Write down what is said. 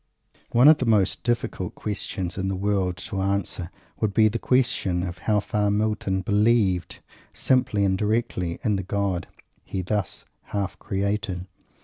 One of the most difficult questions in the world to answer would be the question how far Milton "believed" simply and directly, in the God he thus half created.